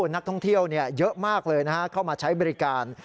นักท่องเที่ยวเยอะมากเลยเข้ามาใช้บริการ